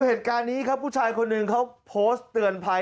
เหตุการณ์นี้ครับผู้ชายคนหนึ่งเขาโพสต์เตือนภัย